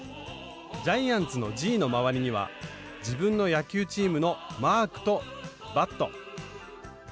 ジャイアンツの「Ｇ」の周りには自分の野球チームのマークとバット。